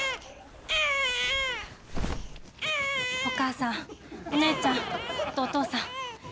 お母さんお姉ちゃんあとお父さん。